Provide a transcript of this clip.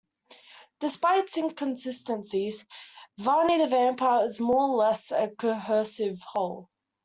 Despite its inconsistencies, "Varney the Vampire" is more or less a cohesive whole.